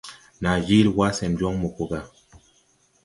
Naa jiili wá sen jɔŋ mo po gà.